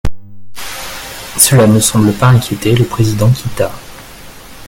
Cela ne semble pas inquiéter le président Kita.